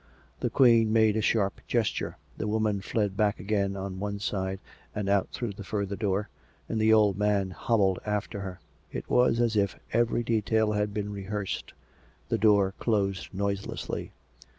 The Queen made a sharp gesture; the woman fled back again on one side, and out through the further door, and the old man hobbled after her. It was as if every detail had been rehearsed. The door closed noiselessly.